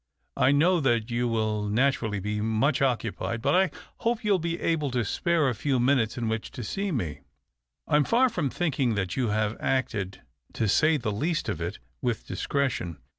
I know that you will naturally be much occupied, but I hope you will be able to spare a few minutes in which to see me. " I am far from thinking that you have acted, to say the least of it, with discretion.